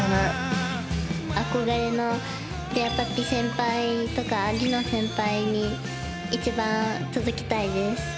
憧れのれあぱぴ先輩とかりの先輩に一番届けたいです。